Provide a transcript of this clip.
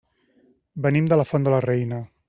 Venim de la Font de la Reina.